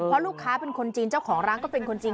เพราะลูกค้าเป็นคนจีนเจ้าของร้านก็เป็นคนจีน